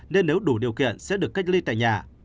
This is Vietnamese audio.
nên nếu đủ điều kiện sẽ được cách ly tại nhà